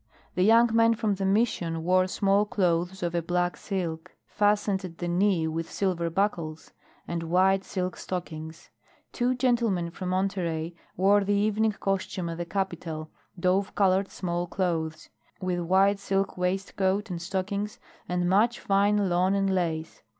The young men from the Mission wore small clothes of a black silk, fastened at the knee with silver buckles, and white silk stockings; two gentlemen from Monterey wore the evening costume of the capital, dove colored small clothes, with white silk waistcoat and stockings, and much fine lawn and lace.